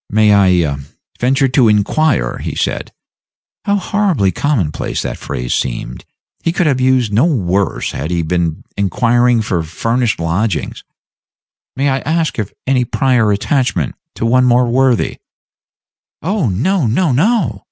"May I venture to inquire," he said how horribly commonplace the phrase seemed; he could have used no worse had he been inquiring for furnished lodgings "may I ask if any prior attachment to one more worthy " "Oh no, no, no!"